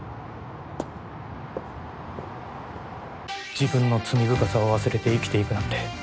自分の罪深さを忘れて生きていくなんて